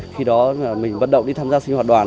khi đó mình vận động đi tham gia sinh hoạt đoàn